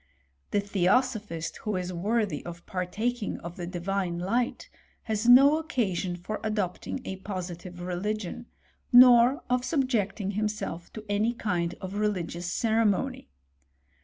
The theosophist who is worthy of partaking of the divine light, has no occasion for adopting a positive religion, nor of subjecting himself to any kind of religious cere mony.